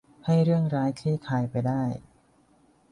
ให้เรื่องร้ายคลี่คลายไปได้